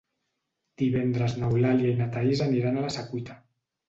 Divendres n'Eulàlia i na Thaís aniran a la Secuita.